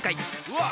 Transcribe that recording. うわ！